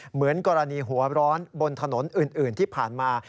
เหมือนกรณีหัวร้อนบนถนนอื่นที่ผ่านมา